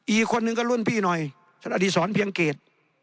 อีกคนนึงก็รุ่นพี่หน่อยอดีศรเพียงเกต